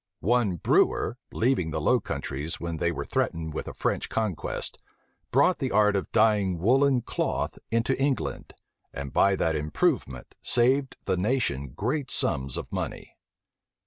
One Brewer, leaving the Low Countries when they were threatened with a French conquest, brought the art of dying woollen cloth into England, and by that improvement saved the nation great sums of money.